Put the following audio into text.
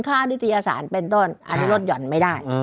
นิตยสารเป็นต้นอันนี้ลดหย่อนไม่ได้